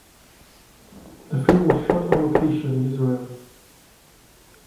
The film was shot on location in Israel.